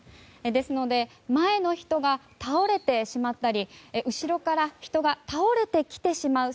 ですので前の人が倒れてしまったり後ろから人が倒れてきてしまう